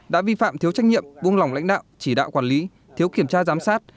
đã vi phạm thiếu trách nhiệm buông lỏng lãnh đạo chỉ đạo quản lý thiếu kiểm tra giám sát